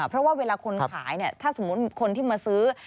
เพราะว่าเวลาคนขายเนี่ยถ้าสมมุติคนที่มาซื้อ